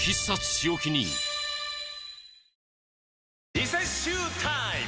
リセッシュータイム！